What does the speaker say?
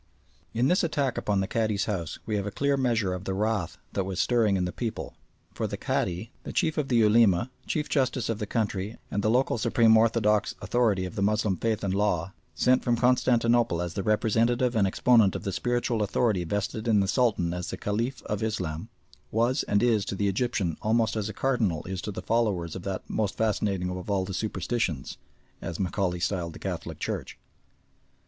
In this attack upon the Cadi's house we have a clear measure of the wrath that was stirring the people, for the Cadi, the Chief of the Ulema, Chief Justice of the country, and the local supreme orthodox authority of the Moslem faith and law, sent from Constantinople as the representative and exponent of the spiritual authority vested in the Sultan as the Caliph of Islam, was and is to the Egyptian almost as a Cardinal is to the followers of "that most fascinating of all superstitions," as Macaulay styled the Catholic Church.